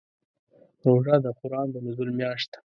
روژه د قرآن د نزول میاشت ده.